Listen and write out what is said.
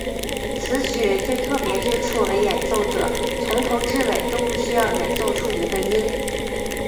此曲最特别之处为演奏者从头至尾都不需要演奏出一个音。